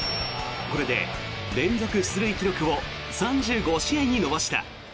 これで連続出塁記録を３５試合に伸ばした。